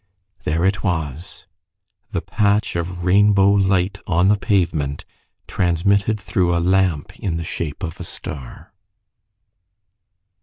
There it was the patch of rainbow light on the pavement transmitted through a lamp in the shape of a star.